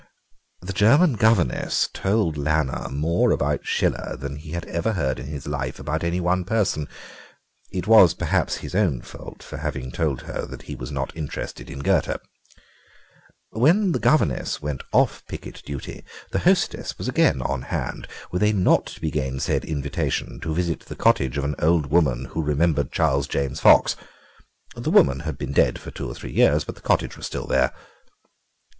The German governess told Lanner more about Schiller than he had ever heard in his life about any one person; it was perhaps his own fault for having told her that he was not interested in Goethe. When the governess went off picket duty the hostess was again on hand with a not to be gainsaid invitation to visit the cottage of an old woman who remembered Charles James Fox; the woman had been dead for two or three years, but the cottage was still there.